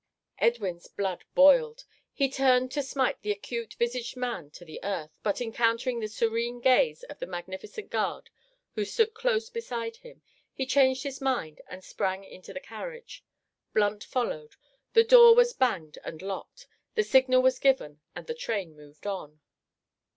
Edwin's blood boiled. He turned to smite the acute visaged man to the earth, but encountering the serene gaze of the magnificent guard who stood close beside him, he changed his mind and sprang into the carriage. Blunt followed, the door was banged and locked, the signal was given and the train moved on.